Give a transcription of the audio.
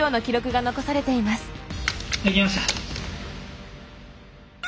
できました。